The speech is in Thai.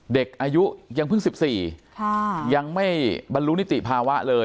เด็กอายุยังเพิ่ง๑๔ยังไม่บรรลุนิติภาวะเลย